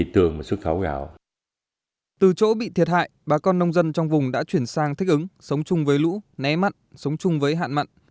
từ chỗ bị thiệt hại bà con nông dân trong vùng đã chuyển sang thích ứng sống chung với lũ né mặn sống chung với hạn mặn